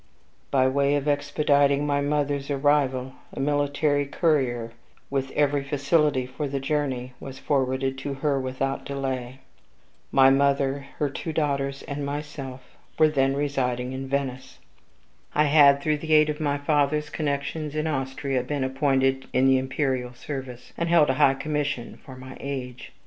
By way of expediting my mother's arrival, a military courier, with every facility for the journey, was forwarded to her without delay. My mother, her two daughters, and myself, were then residing in Venice. I had, through the aid of my father's connections in Austria, been appointed in the imperial service, and held a high commission for my age.